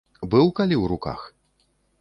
Быў калі ў руках?